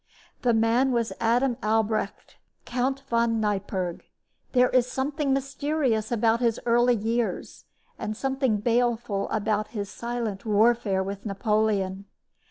This man was Adam Albrecht, Count von Neipperg. There is something mysterious about his early years, and something baleful about his silent warfare with Napoleon.